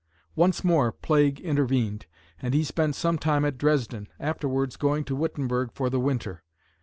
Once more plague intervened and he spent some time at Dresden, afterwards going to Wittenberg for the winter.